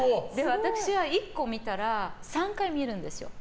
私は１個見たら３回見るんですよ。